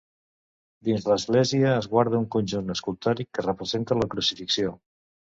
Dins l'església es guarda un conjunt escultòric que representa la crucifixió.